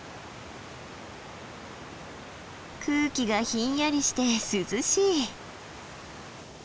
空気がひんやりして涼しい。